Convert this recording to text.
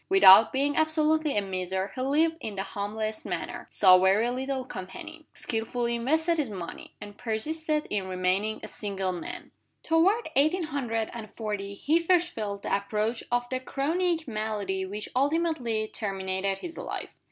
Without being absolutely a miser, he lived in the humblest manner, saw very little company; skillfully invested his money; and persisted in remaining a single man. Toward eighteen hundred and forty he first felt the approach of the chronic malady which ultimately terminated his life.